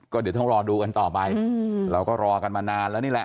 ก็เดี๋ยวต้องรอดูกันต่อไปเราก็รอกันมานานแล้วนี่แหละ